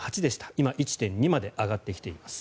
今、１．２まで上がってきています。